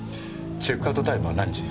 チェックアウトタイムは何時？